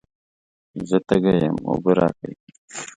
زه تږی یم، اوبه راکئ.